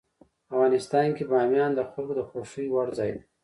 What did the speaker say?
افغانستان کې بامیان د خلکو د خوښې وړ ځای دی.